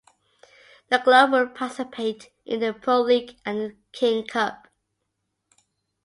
The club will participate in the Pro League and the King Cup.